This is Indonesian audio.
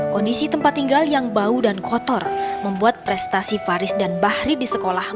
kondisi tempat tinggal yang bau dan kotor membuat prestasi faris dan bahri di sekolah